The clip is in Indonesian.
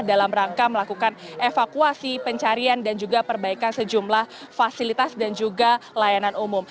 dalam rangka melakukan evakuasi pencarian dan juga perbaikan sejumlah fasilitas dan juga layanan umum